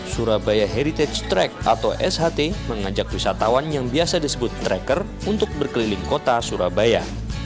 surabaya heritage track atau sht mengajak wisatawan yang biasa disebut tracker untuk berkeliling kota surabaya